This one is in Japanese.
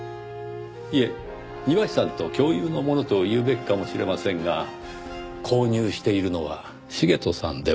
いえ庭師さんと共有のものと言うべきかもしれませんが購入しているのは茂斗さんではないかと。